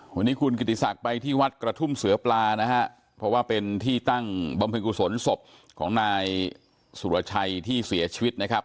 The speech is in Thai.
วันนี้คุณกิติศักดิ์ไปที่วัดกระทุ่มเสือปลานะฮะเพราะว่าเป็นที่ตั้งบำเพ็ญกุศลศพของนายสุรชัยที่เสียชีวิตนะครับ